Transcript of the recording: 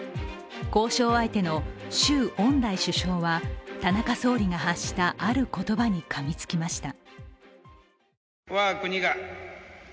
交渉相手の周恩来首相は田中総理が発したある言葉にかみつきました。